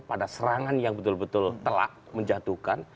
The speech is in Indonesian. pada serangan yang betul betul telak menjatuhkan